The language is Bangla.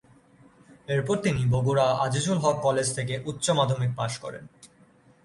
এরপর তিনি বগুড়া আজিজুল হক কলেজ থেকে উচ্চ মাধ্যমিক পাশ করেন।